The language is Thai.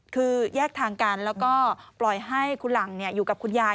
คือแยกทางกันแล้วก็ปล่อยให้คุณหลังอยู่กับคุณยาย